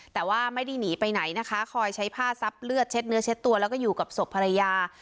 แต่ว่าไม่ได้หนีไปไหนนะคะคอยใช้ผ้าซับเลือดเช็ดเนื้อเช็ดตัวแล้วก็อยู่กับศพภรรยา